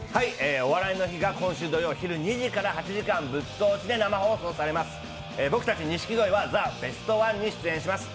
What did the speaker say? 「お笑いの日」が今週土曜昼２時から８時間ぶっ通しで生放送されます。